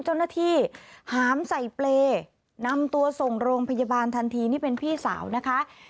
เจ้าหน้าที่หามใส่เปรย์นำตัวส่งโรงพยาบาลทันทีนี่เป็นพี่สาวนะคะ